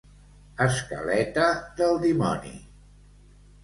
Escaleta del dimoni.